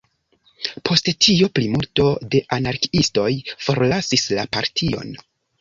Post tio plimulto de anarkiistoj forlasis la partion.